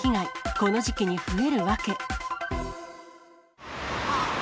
この時期に増える訳。